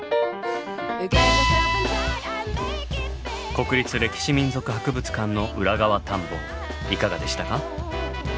国立歴史民俗博物館の裏側探訪いかがでしたか？